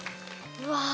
うわ。